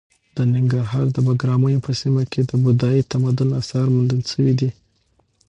د ننګرهار د بګراميو په سیمه کې د بودايي تمدن اثار موندل شوي دي.